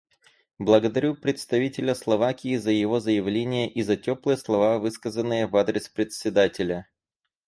Благодарю представителя Словакии за его заявление и за теплые слова, высказанные в адрес Председателя.